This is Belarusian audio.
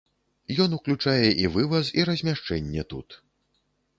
Ён уключае і вываз і размяшчэнне тут.